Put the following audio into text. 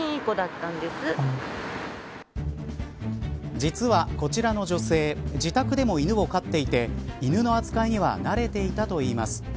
実は、こちらの女性自宅でも犬を飼っていて犬の扱いには慣れていたといいます。